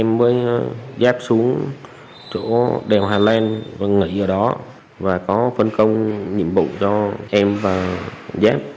em với giáp xuống chỗ đèo hà lan và nghĩa ở đó và có phân công nhiệm vụ cho em và giáp